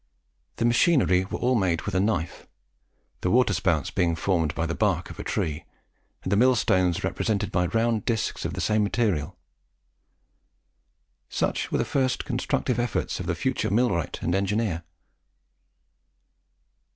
The machinery was all made with a knife, the water spouts being formed by the bark of a tree, and the millstones represented by round discs of the same material. Such were the first constructive efforts of the future millwright and engineer.